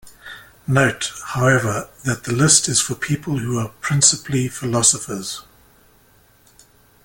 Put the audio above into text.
Note, however, that the list is for people who are "principally" philosophers.